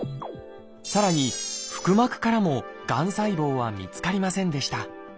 さらに腹膜からもがん細胞は見つかりませんでした。